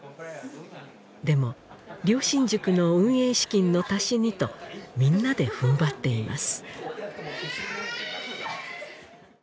でも良心塾の運営資金の足しにとみんなで踏ん張っています